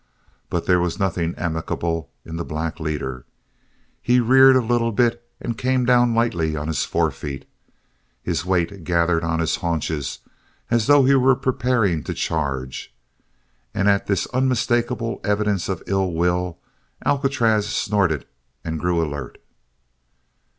But there was nothing amicable in the black leader. He reared a little and came down lightly on his forefeet, his weight gathered on his haunches as though he were preparing to charge, and at this unmistakable evidence of ill will, Alcatraz snorted and grew alert.